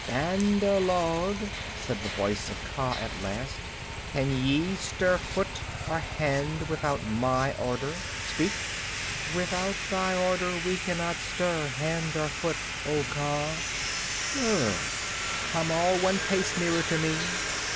"Bandar log," said the voice of Kaa at last, "can ye stir foot or hand without my order? Speak!" "Without thy order we cannot stir foot or hand, O Kaa!" "Good! Come all one pace nearer to me."